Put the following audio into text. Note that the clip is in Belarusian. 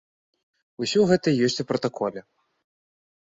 Усё гэта ёсць у пратаколе.